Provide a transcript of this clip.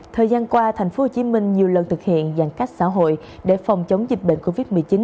thời gian qua tp hcm nhiều lần thực hiện giãn cách xã hội để phòng chống dịch bệnh covid một mươi chín